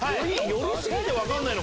寄り過ぎて分かんないの？